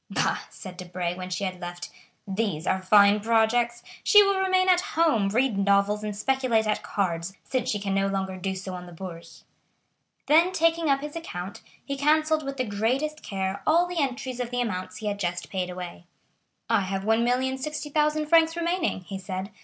"Bah," said Debray, when she had left, "these are fine projects! She will remain at home, read novels, and speculate at cards, since she can no longer do so on the Bourse." Then taking up his account book, he cancelled with the greatest care all the entries of the amounts he had just paid away. "I have 1,060,000 francs remaining," he said.